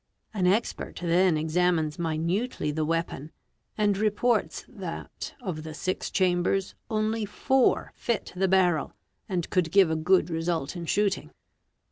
An expert then examines minutely ~ the weapon and reports that, of the six chambers, only four fit the barrel, and could give a good result in shooting.